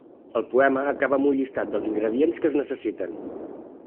El poema acaba amb un llistat dels ingredients que es necessiten.